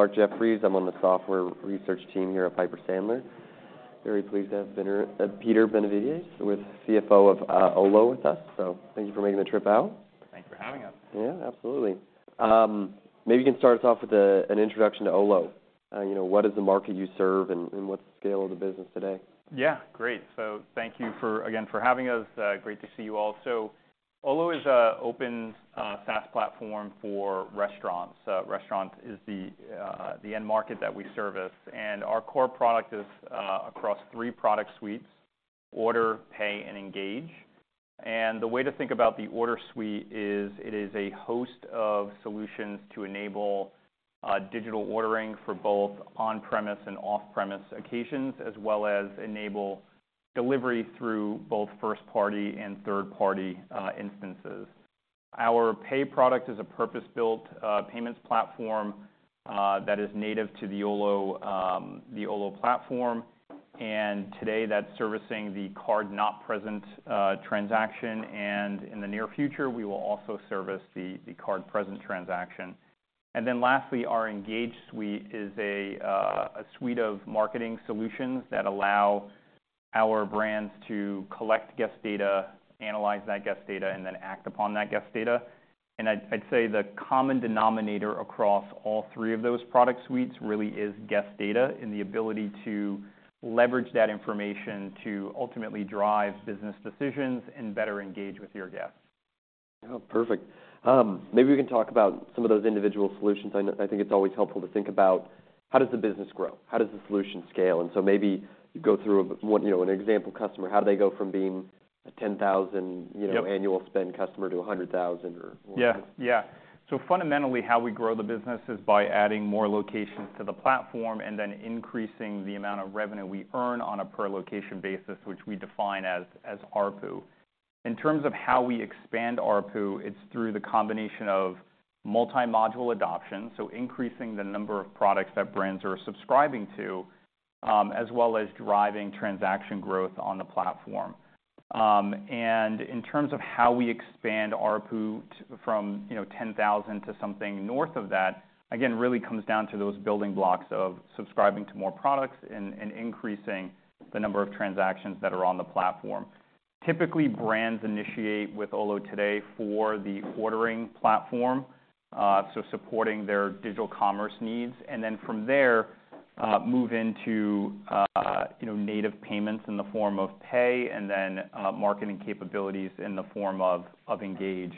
Hello, my name is Clarke Jeffries. I'm on the software research team here at Piper Sandler. Very pleased to have Peter Benevides, CFO of Olo, with us. So thank you for making the trip out. Thanks for having us. Yeah, absolutely. Maybe you can start us off with an introduction to Olo. You know, what is the market you serve, and what's the scale of the business today? Yeah, great. So thank you for, again, for having us. Great to see you all. So Olo is an open SaaS platform for restaurants. Restaurant is the end market that we service, and our core product is across three product suites: Order, Pay, and Engage. And the way to think about the Order suite is, it is a host of solutions to enable digital ordering for both on-premise and off-premise occasions, as well as enable delivery through both first-party and third-party instances. Our Pay product is a purpose-built payments platform that is native to the Olo platform, and today, that's servicing the card-not-present transaction, and in the near future, we will also service the card-present transaction. And then lastly, our Engage suite is a, a suite of marketing solutions that allow our brands to collect guest data, analyze that guest data, and then act upon that guest data. And I'd, I'd say the common denominator across all three of those product suites really is guest data, and the ability to leverage that information to ultimately drive business decisions and better engage with your guests. Oh, perfect. Maybe we can talk about some of those individual solutions. I know, I think it's always helpful to think about: How does the business grow? How does the solution scale? And so maybe go through one. You know, an example customer, how do they go from being a 10,000, you know- Yep... annual spend customer to $100,000 or more? Yeah. Yeah. So fundamentally, how we grow the business is by adding more locations to the platform, and then increasing the amount of revenue we earn on a per-location basis, which we define as ARPU. In terms of how we expand ARPU, it's through the combination of multi-module adoption, so increasing the number of products that brands are subscribing to, as well as driving transaction growth on the platform. And in terms of how we expand ARPU from, you know, 10,000 to something north of that, again, really comes down to those building blocks of subscribing to more products and increasing the number of transactions that are on the platform. Typically, brands initiate with Olo today for the ordering platform, so supporting their digital commerce needs. Then from there, move into, you know, native payments in the form of Pay, and then, marketing capabilities in the form of, of Engage.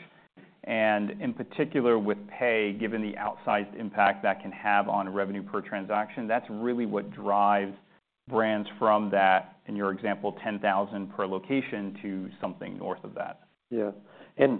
In particular, with Pay, given the outsized impact that can have on revenue per transaction, that's really what drives brands from that, in your example, $10,000 per location, to something north of that. Yeah. And,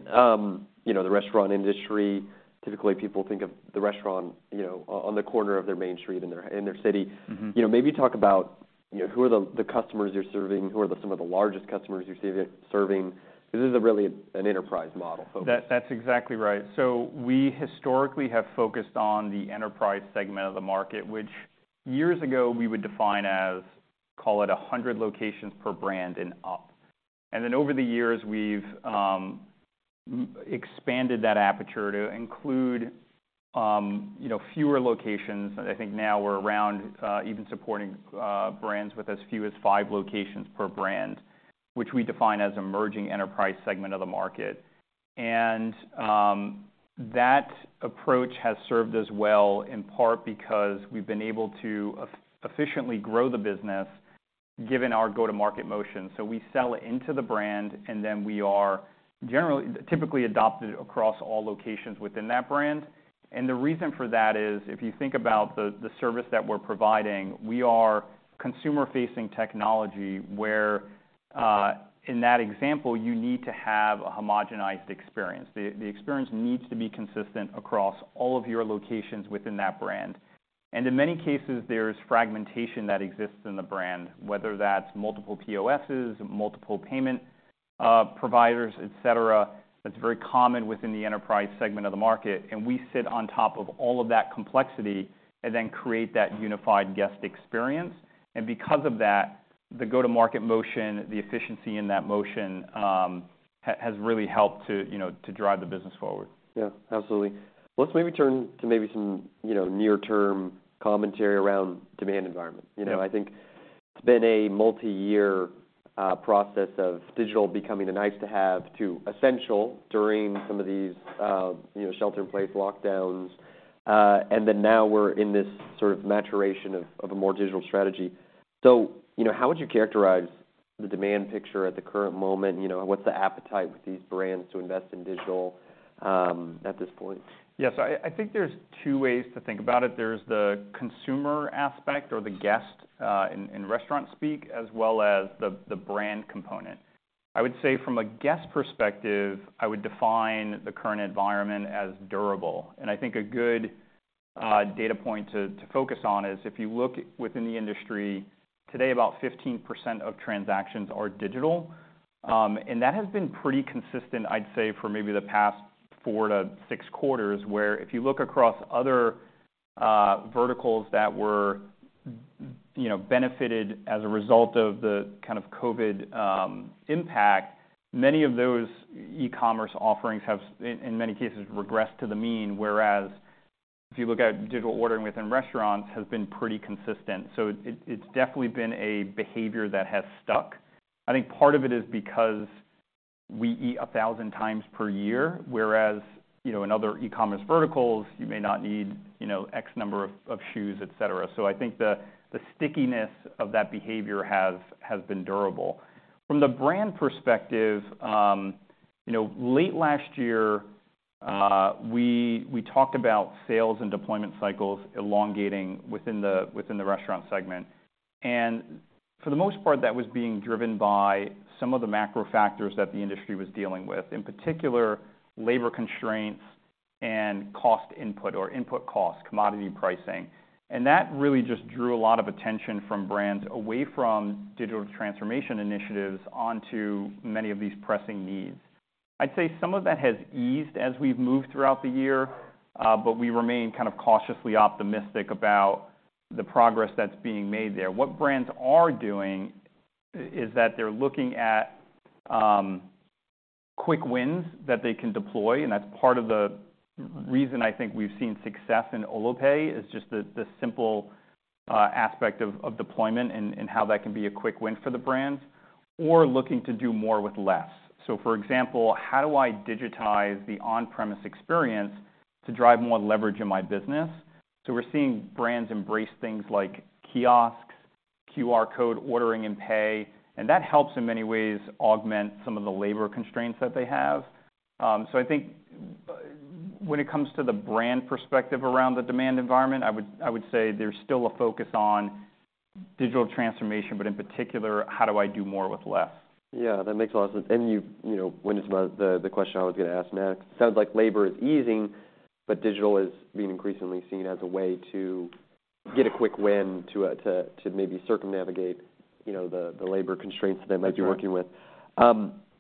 you know, the restaurant industry, typically, people think of the restaurant, you know, on the corner of their main street in their, in their city. Mm-hmm. You know, maybe talk about, you know, who are the customers you're serving? Who are some of the largest customers you're serving? This is really an enterprise model focus. That, that's exactly right. So we historically have focused on the enterprise segment of the market, which years ago, we would define as, call it, 100 locations per brand and up. And then over the years, we've expanded that aperture to include, you know, fewer locations. And I think now we're around, even supporting, brands with as few as five locations per brand, which we define as emerging enterprise segment of the market. And, that approach has served us well, in part because we've been able to efficiently grow the business, given our go-to-market motion. So we sell into the brand, and then we are generally, typically adopted across all locations within that brand. And the reason for that is, if you think about the service that we're providing, we are consumer-facing technology, where in that example, you need to have a homogenized experience. The experience needs to be consistent across all of your locations within that brand. And in many cases, there is fragmentation that exists in the brand, whether that's multiple POSs, multiple payment providers, et cetera. That's very common within the enterprise segment of the market, and we sit on top of all of that complexity and then create that unified guest experience. And because of that, the go-to-market motion, the efficiency in that motion, has really helped to, you know, to drive the business forward. Yeah, absolutely. Let's maybe turn to maybe some, you know, near-term commentary around demand environment. Yeah. You know, I think it's been a multi-year process of digital becoming a nice-to-have to essential during some of these, you know, shelter-in-place lockdowns. And then now we're in this sort of maturation of a more digital strategy. So, you know, how would you characterize the demand picture at the current moment? You know, what's the appetite with these brands to invest in digital at this point? Yes. I think there's two ways to think about it. There's the consumer aspect or the guest, in restaurant speak, as well as the brand component. I would say from a guest perspective, I would define the current environment as durable. And I think a good data point to focus on is, if you look within the industry, today, about 15% of transactions are digital. And that has been pretty consistent, I'd say, for maybe the past four-six quarters, where if you look across other verticals that were you know, benefited as a result of the kind of COVID impact, many of those e-commerce offerings have, in many cases, regressed to the mean. Whereas if you look at digital ordering within restaurants, has been pretty consistent. So it's definitely been a behavior that has stuck. I think part of it is because we eat 1,000 times per year, whereas, you know, in other e-commerce verticals, you may not need, you know, X number of, of shoes, et cetera. So I think the, the stickiness of that behavior has, has been durable. From the brand perspective, you know, late last year, we, we talked about sales and deployment cycles elongating within the, within the restaurant segment. And for the most part, that was being driven by some of the macro factors that the industry was dealing with, in particular, labor constraints and cost input or input costs, commodity pricing. And that really just drew a lot of attention from brands away from digital transformation initiatives onto many of these pressing needs. I'd say some of that has eased as we've moved throughout the year, but we remain kind of cautiously optimistic about the progress that's being made there. What brands are doing is that they're looking at quick wins that they can deploy, and that's part of the reason I think we've seen success in Olo Pay, is just the simple aspect of deployment and how that can be a quick win for the brands, or looking to do more with less. So, for example, how do I digitize the on-premise experience to drive more leverage in my business? So we're seeing brands embrace things like kiosks, QR code ordering and pay, and that helps in many ways augment some of the labor constraints that they have. So I think, when it comes to the brand perspective around the demand environment, I would say there's still a focus on digital transformation, but in particular, how do I do more with less? Yeah, that makes a lot of sense. And you, you know, went into about the question I was gonna ask next. Sounds like labor is easing, but digital is being increasingly seen as a way to get a quick win, to maybe circumnavigate, you know, the labor constraints- That's right... that you're working with.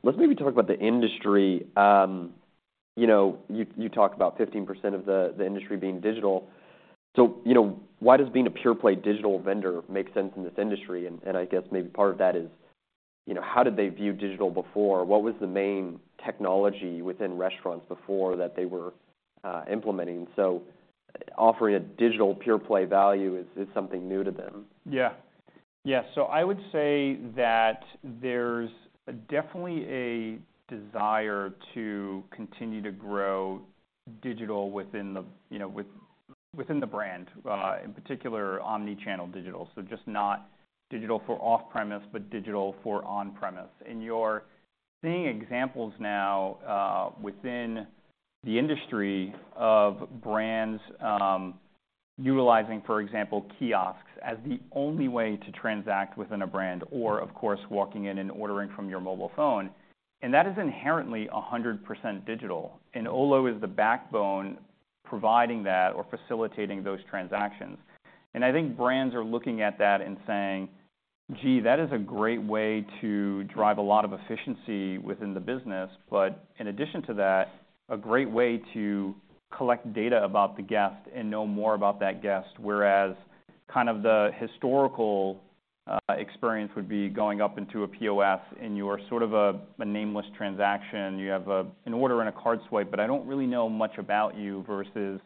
Let's maybe talk about the industry. You know, you talked about 15% of the industry being digital. So, you know, why does being a pure play digital vendor make sense in this industry? And I guess maybe part of that is, you know, how did they view digital before? What was the main technology within restaurants before that they were implementing? So offering a digital pure play value is something new to them. Yeah. Yeah, so I would say that there's definitely a desire to continue to grow digital within the, you know, within the brand, in particular, omni-channel digital. So just not digital for off-premise, but digital for on-premise. And you're seeing examples now, within the industry of brands, utilizing, for example, kiosks, as the only way to transact within a brand, or of course, walking in and ordering from your mobile phone. And that is inherently 100% digital, and Olo is the backbone providing that or facilitating those transactions. And I think brands are looking at that and saying, "Gee, that is a great way to drive a lot of efficiency within the business, but in addition to that, a great way to collect data about the guest and know more about that guest." Whereas, kind of the historical experience would be going up into a POS, and you're sort of a, a nameless transaction. You have a, an order and a card swipe, but I don't really know much about you, versus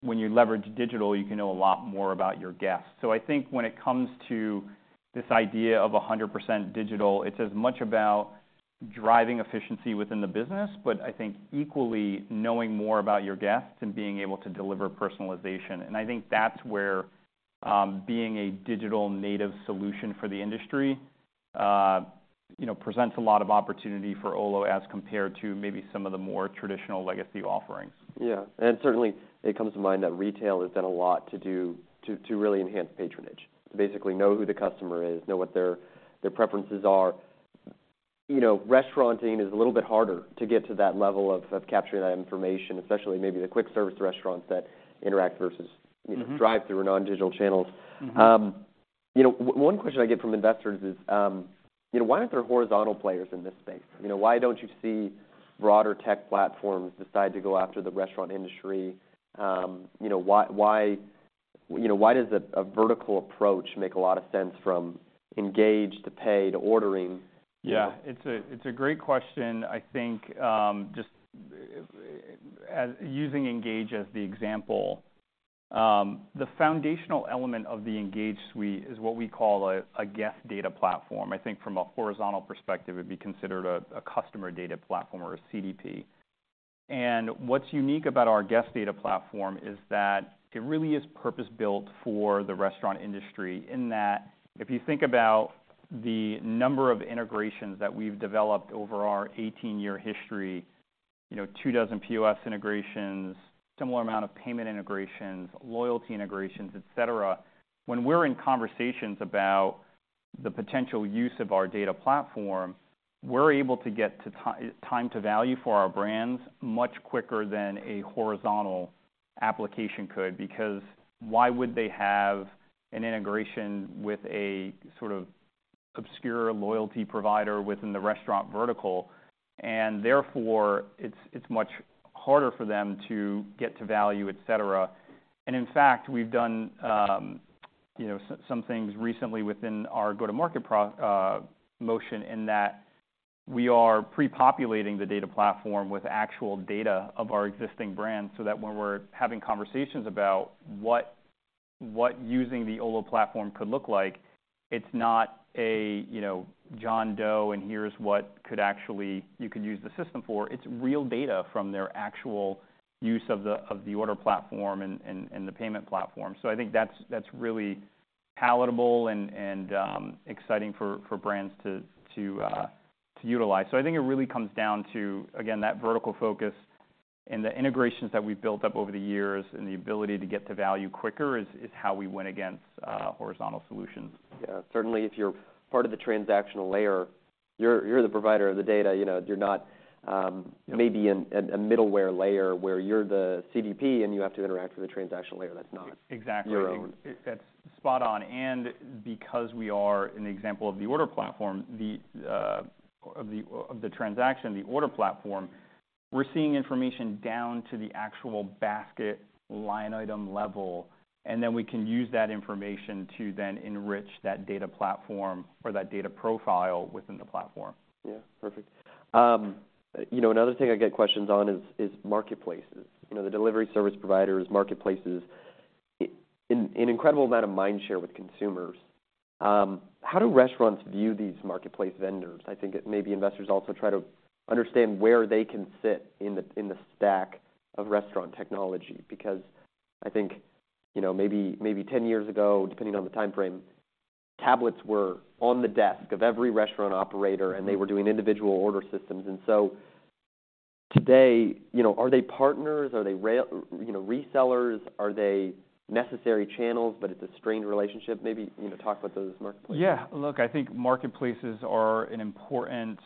when you leverage digital, you can know a lot more about your guests. So I think when it comes to this idea of 100% digital, it's as much about driving efficiency within the business, but I think equally knowing more about your guests and being able to deliver personalization. I think that's where, being a digital native solution for the industry, you know, presents a lot of opportunity for Olo as compared to maybe some of the more traditional legacy offerings. Yeah. Certainly, it comes to mind that retail has done a lot to do to really enhance patronage. To basically know who the customer is, know what their preferences are. You know, restauranting is a little bit harder to get to that level of capturing that information, especially maybe the quick service restaurants that interact versus- Mm-hmm... you know, drive through or non-digital channels. Mm-hmm. You know, one question I get from investors is, you know, "Why aren't there horizontal players in this space?" You know, why don't you see broader tech platforms decide to go after the restaurant industry? You know, why does a vertical approach make a lot of sense from Engage to Pay to Ordering? Yeah, it's a, it's a great question. I think, just, using Engage as the example, the foundational element of the Engage suite is what we call a Guest Data Platform. I think from a horizontal perspective, it'd be considered a customer data platform or a CDP. And what's unique about our Guest Data Platform is that it really is purpose-built for the restaurant industry, in that, if you think about the number of integrations that we've developed over our 18-year history, you know, 24 POS integrations, similar amount of payment integrations, loyalty integrations, et cetera. When we're in conversations about the potential use of our data platform, we're able to get to time to value for our brands much quicker than a horizontal application could, because why would they have an integration with a sort of-... obscure loyalty provider within the restaurant vertical, and therefore, it's much harder for them to get to value, et cetera. And in fact, we've done, you know, some things recently within our go-to-market motion, in that we are pre-populating the data platform with actual data of our existing brands, so that when we're having conversations about what using the Olo platform could look like, it's not a, you know, John Doe, and here's what could actually- you could use the system for. It's real data from their actual use of the order platform and the payment platform. So I think that's really palatable and exciting for brands to utilize. So I think it really comes down to, again, that vertical focus and the integrations that we've built up over the years, and the ability to get to value quicker is how we win against horizontal solutions. Yeah. Certainly, if you're part of the transactional layer, you're the provider of the data, you know, you're not maybe in a middleware layer where you're the CDP, and you have to interact with a transactional layer that's not- Exactly. -your own. That's spot on. And because we are an example of the order platform, we're seeing information down to the actual basket line item level, and then we can use that information to then enrich that data platform or that data profile within the platform. Yeah, perfect. You know, another thing I get questions on is marketplaces. You know, the delivery service providers, marketplaces, in an incredible amount of mind share with consumers. How do restaurants view these marketplace vendors? I think maybe investors also try to understand where they can sit in the stack of restaurant technology, because I think, you know, maybe 10 years ago, depending on the timeframe, tablets were on the desk of every restaurant operator, and they were doing individual order systems. So today, you know, are they partners? Are they rivals? You know, resellers? Are they necessary channels, but it's a strained relationship? Maybe, you know, talk about those marketplaces. Yeah. Look, I think marketplaces are an important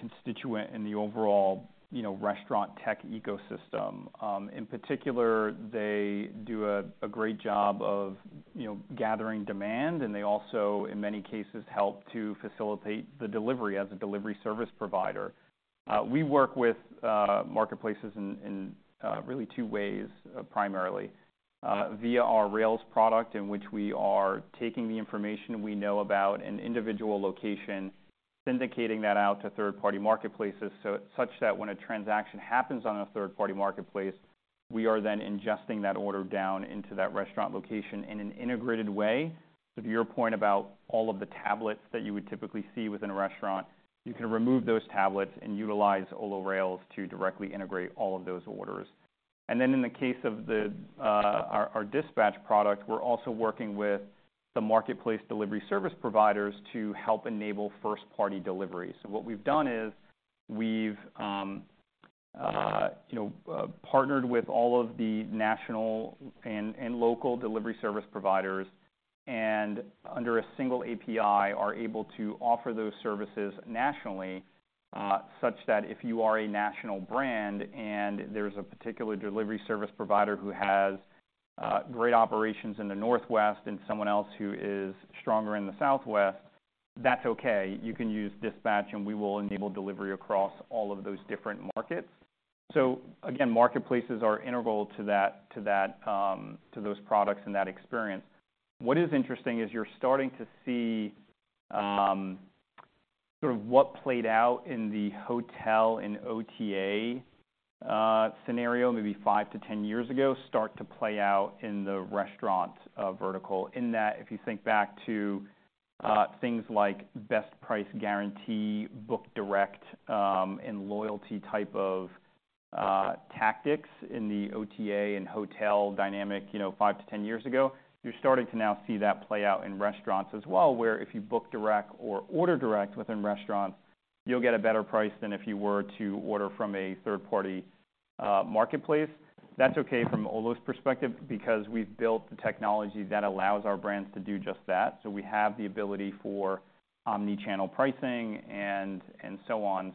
constituent in the overall, you know, restaurant tech ecosystem. In particular, they do a great job of, you know, gathering demand, and they also, in many cases, help to facilitate the delivery as a delivery service provider. We work with marketplaces in really two ways, primarily. Via our Rails product, in which we are taking the information we know about an individual location, syndicating that out to third-party marketplaces, so such that when a transaction happens on a third-party marketplace, we are then ingesting that order down into that restaurant location in an integrated way. To your point about all of the tablets that you would typically see within a restaurant, you can remove those tablets and utilize Olo Rails to directly integrate all of those orders. And then in the case of our Dispatch product, we're also working with the marketplace delivery service providers to help enable first-party delivery. So what we've done is we've partnered with all of the national and local delivery service providers, and under a single API, are able to offer those services nationally, such that if you are a national brand and there's a particular delivery service provider who has great operations in the Northwest and someone else who is stronger in the Southwest, that's okay. You can use Dispatch, and we will enable delivery across all of those different markets. So again, marketplaces are integral to that, to those products and that experience. What is interesting is you're starting to see sort of what played out in the hotel and OTA scenario maybe five-10 years ago start to play out in the restaurant vertical, in that if you think back to things like best price guarantee, book direct, and loyalty type of tactics in the OTA and hotel dynamic, you know, five-10 years ago, you're starting to now see that play out in restaurants as well, where if you book direct or order direct within restaurants, you'll get a better price than if you were to order from a third-party marketplace. That's okay from Olo's perspective because we've built the technology that allows our brands to do just that. So we have the ability for omni-channel pricing and, and so on.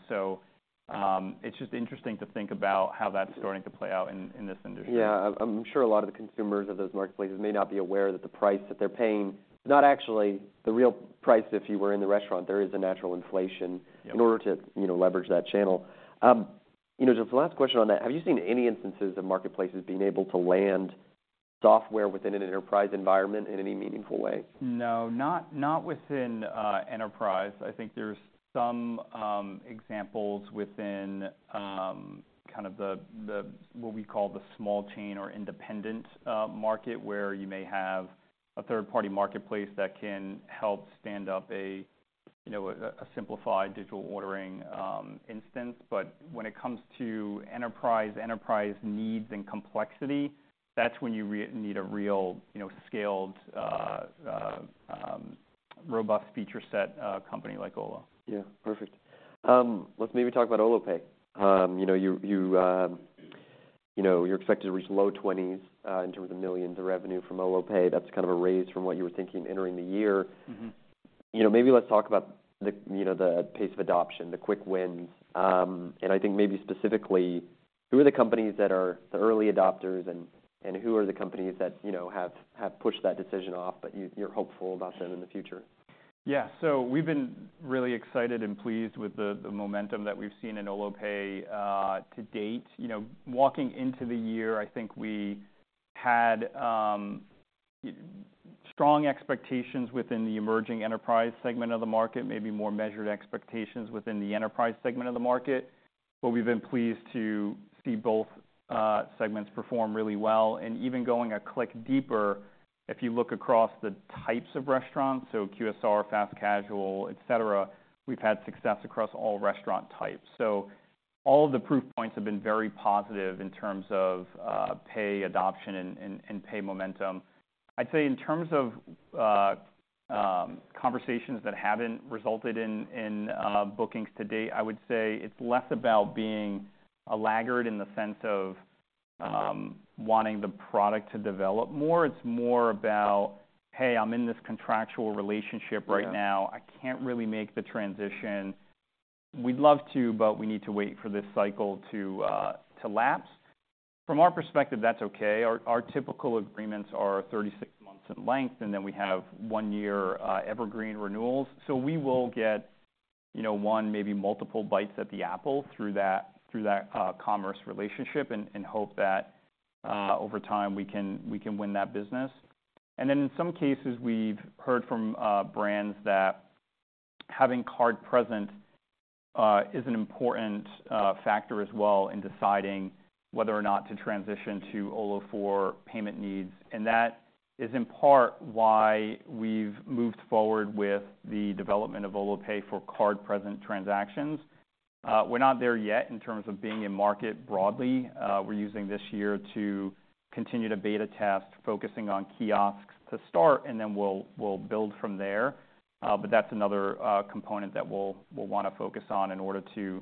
It's just interesting to think about how that's starting to play out in this industry. Yeah. I'm sure a lot of the consumers of those marketplaces may not be aware that the price that they're paying is not actually the real price if you were in the restaurant. There is a natural inflation- Yeah... in order to, you know, leverage that channel. You know, just the last question on that, have you seen any instances of marketplaces being able to land software within an enterprise environment in any meaningful way? No, not, not within enterprise. I think there's some examples within kind of the, the, what we call the small chain or independent market, where you may have a third-party marketplace that can help stand up a, you know, a, a simplified digital ordering instance. But when it comes to enterprise, enterprise needs and complexity, that's when you need a real, you know, scaled robust feature set company like Olo. Yeah, perfect. Let's maybe talk about Olo Pay. You know, you're expected to reach low $20s million in revenue from Olo Pay. That's kind of a raise from what you were thinking entering the year. Mm-hmm. You know, maybe let's talk about the, you know, the pace of adoption, the quick wins. And I think maybe specifically, who are the companies that are the early adopters, and who are the companies that, you know, have pushed that decision off, but you, you're hopeful about them in the future? Yeah. So we've been really excited and pleased with the momentum that we've seen in Olo Pay to date. You know, walking into the year, I think we had strong expectations within the emerging enterprise segment of the market, maybe more measured expectations within the enterprise segment of the market. But we've been pleased to see both segments perform really well. And even going a click deeper, if you look across the types of restaurants, so QSR, fast casual, et cetera, we've had success across all restaurant types. So all of the proof points have been very positive in terms of pay adoption and pay momentum. I'd say, in terms of conversations that haven't resulted in bookings to date, I would say it's less about being a laggard in the sense of wanting the product to develop more. It's more about, "Hey, I'm in this contractual relationship right now. Yeah I can't really make the transition. We'd love to, but we need to wait for this cycle to lapse." From our perspective, that's okay. Our typical agreements are 36 months in length, and then we have 1-year evergreen renewals. So we will get, you know, one, maybe multiple bites at the apple through that commerce relationship, and hope that over time, we can win that business. And then in some cases, we've heard from brands that having card-present is an important factor as well in deciding whether or not to transition to Olo for payment needs. And that is in part why we've moved forward with the development of Olo Pay for card-present transactions. We're not there yet in terms of being in market broadly. We're using this year to continue to beta test, focusing on kiosks to start, and then we'll build from there. But that's another component that we'll wanna focus on in order to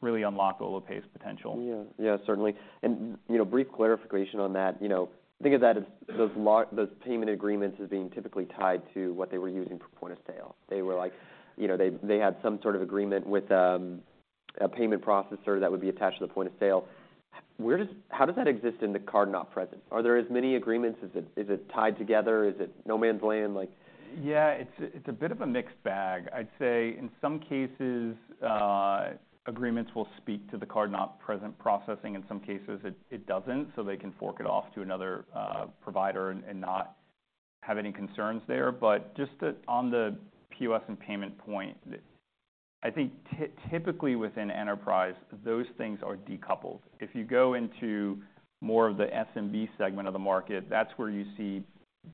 really unlock Olo Pay's potential. Yeah. Yeah, certainly. And, you know, brief clarification on that, you know, think of that as those payment agreements as being typically tied to what they were using for point of sale. They were like, you know, they had some sort of agreement with a payment processor that would be attached to the point of sale. How does that exist in the card-not-present? Are there as many agreements? Is it tied together? Is it no man's land, like- Yeah, it's a bit of a mixed bag. I'd say in some cases, agreements will speak to the card-not-present processing. In some cases, it doesn't, so they can fork it off to another provider and not have any concerns there. But just on the POS and payment point, I think typically, within enterprise, those things are decoupled. If you go into more of the SMB segment of the market, that's where you see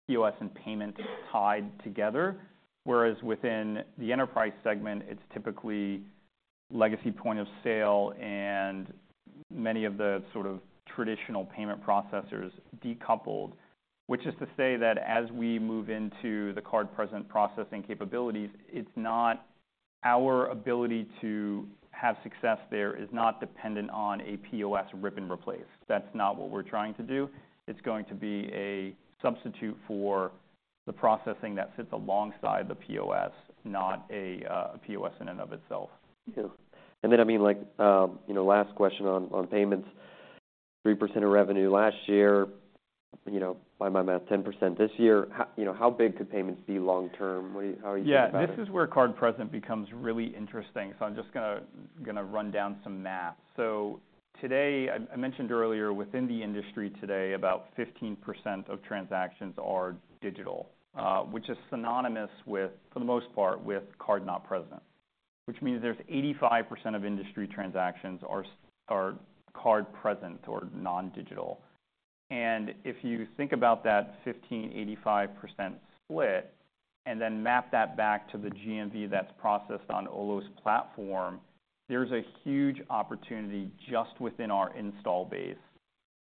POS and payment tied together. Whereas within the enterprise segment, it's typically legacy point of sale and many of the sort of traditional payment processors decoupled. Which is to say that as we move into the card-present processing capabilities, it's not. Our ability to have success there is not dependent on a POS rip and replace. That's not what we're trying to do. It's going to be a substitute for the processing that sits alongside the POS, not a POS in and of itself. Yeah. And then, I mean, like, you know, last question on payments. 3% of revenue last year, you know, by my math, 10% this year. How, you know, how big could payments be long term? What do you, how are you thinking about it? Yeah, this is where card present becomes really interesting, so I'm just gonna run down some math. So today, I mentioned earlier, within the industry today, about 15% of transactions are digital, which is synonymous with, for the most part, with card not present, which means there's 85% of industry transactions are card present or non-digital. And if you think about that 15/85% split and then map that back to the GMV that's processed on Olo's platform, there's a huge opportunity just within our install base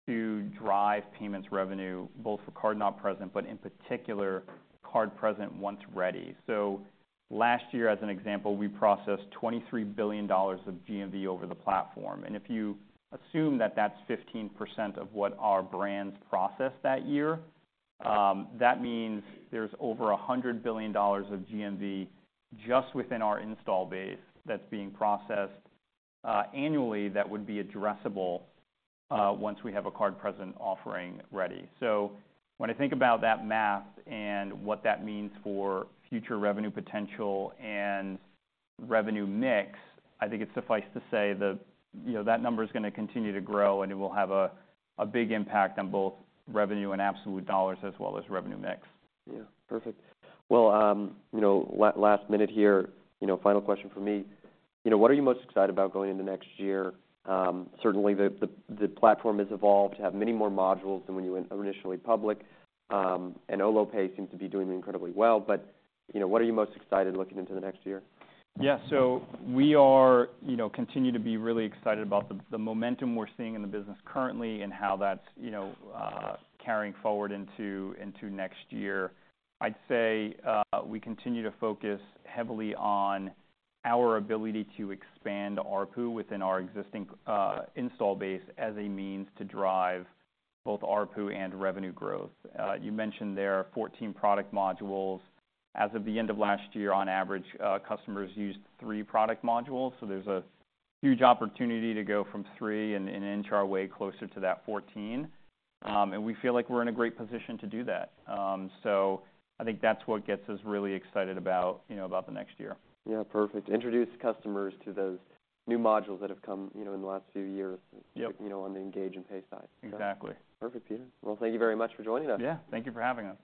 to drive payments revenue, both for card not present, but in particular, card present once ready. So last year, as an example, we processed $23 billion of GMV over the platform, and if you assume that that's 15% of what our brands processed that year, that means there's over $100 billion of GMV just within our install base that's being processed annually, that would be addressable once we have a card-present offering ready. So when I think about that math and what that means for future revenue potential and revenue mix, I think it's suffice to say that, you know, that number is gonna continue to grow, and it will have a, a big impact on both revenue and absolute dollars, as well as revenue mix. Yeah, perfect. Well, you know, last minute here, you know, final question from me: You know, what are you most excited about going into next year? Certainly the platform has evolved to have many more modules than when you went initially public. And Olo Pay seems to be doing incredibly well, but, you know, what are you most excited looking into the next year? Yeah. So we are, you know, continue to be really excited about the momentum we're seeing in the business currently and how that's, you know, carrying forward into next year. I'd say we continue to focus heavily on our ability to expand ARPU within our existing install base as a means to drive both ARPU and revenue growth. You mentioned there are 14 product modules. As of the end of last year, on average, customers used three product modules, so there's a huge opportunity to go from three and inch our way closer to that 14. And we feel like we're in a great position to do that. So I think that's what gets us really excited about, you know, about the next year. Yeah, perfect. Introduce customers to those new modules that have come, you know, in the last few years- Yep... you know, on the Engage and Pay side. Exactly. Perfect, Peter. Well, thank you very much for joining us. Yeah. Thank you for having us.